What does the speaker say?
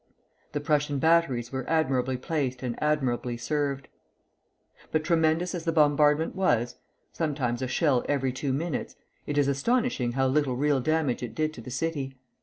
The Prussian batteries were admirably placed and admirably served. But tremendous as the bombardment was (sometimes a shell every two minutes), it is astonishing how little real damage it did to the city.